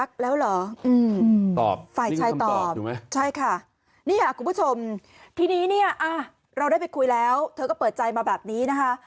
ตอบฝ่ายใช้ตอบใช่ค่ะนี่คุณผู้ชมทีนี้เนี่ยเราได้ไปคุยแล้วเธอก็เปิดใจมาแบบนี้นะคะ